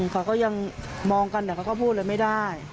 เขาก็ยังมองกันแต่เขาก็พูดอะไรไม่ได้